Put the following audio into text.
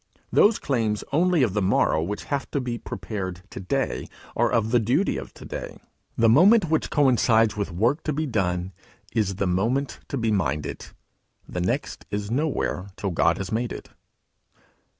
Those claims only of the morrow which have to be prepared to day are of the duty of to day; the moment which coincides with work to be done, is the moment to be minded; the next is nowhere till God has made it.